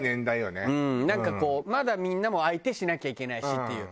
なんかこうまだみんなも相手しなきゃいけないしっていう。